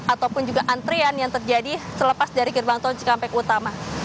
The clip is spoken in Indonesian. ataupun juga antrian yang terjadi selepas dari gerbang tol cikampek utama